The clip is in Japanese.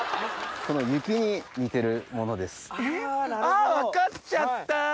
あ分かっちゃった！